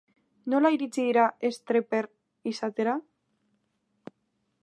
Nola iritsi dira streper izatera?